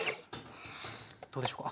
どうでしょうか？